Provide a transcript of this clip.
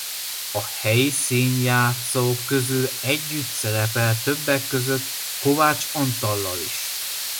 A helyi színjátszók közül együtt szerepelt többek között Kovács Antallal is.